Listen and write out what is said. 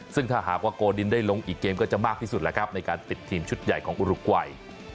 ซึ่งถ้าหากว่าโกดินได้ลงอีกเกมก็จะมากที่สุดแล้วครับในการติดทีมชุดใหญ่ของอุรุกวัย